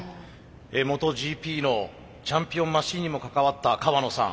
ＭｏｔｏＧＰのチャンピオンマシンにも関わった河野さん。